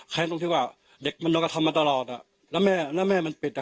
ตรงที่ว่าเด็กมันโดนกระทำมาตลอดอ่ะแล้วแม่แล้วแม่มันปิดอ่ะ